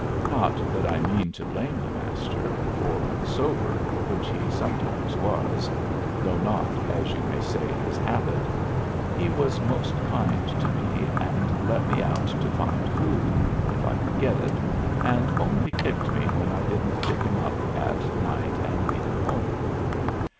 Not that I mean to blame the Master, for when sober, which he sometimes was though not, as you might say, his habit he was most kind to me, and let me out to find food, if I could get it, and only kicked me when I didn't pick him up at night and lead him home.